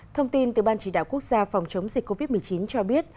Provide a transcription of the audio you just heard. thông tin từ ban chỉ đạo quốc gia phòng chống dịch covid một mươi chín cho biết